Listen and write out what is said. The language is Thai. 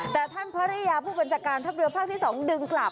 แต่ท่านภรรยาผู้บัญชาการทัพเรือภาคที่๒ดึงกลับ